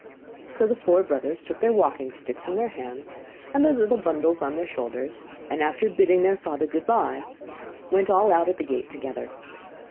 So the four brothers took their walking sticks in their hands, and their little bundles on their shoulders, and after bidding their father goodbye, went all out at the gate together.